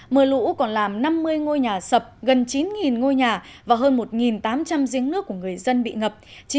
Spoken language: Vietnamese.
mưa lũ còn làm năm mươi ngôi nhà sập gần chín ngôi nhà và hơn một tám trăm linh giếng nước của người dân bị ngập